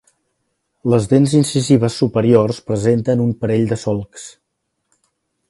Les dents incisives superiors presenten un parell de solcs.